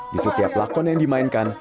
di setiap lakon yang dimainkan